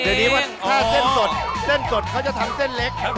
เดี๋ยวนี้ว่าถ้าเส้นสดเส้นสดเขาจะทำเส้นเล็กครับ